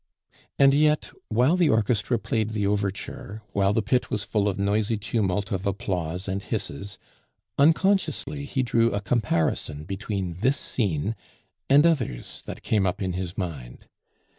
And yet while the orchestra played the overture, while the pit was full of noisy tumult of applause and hisses, unconsciously he drew a comparison between this scene and others that came up in his mind.